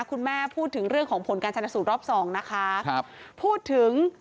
คุณแม่พูดถึงเรื่องของผลการชนสูตรรอบสองนะคะครับพูดถึง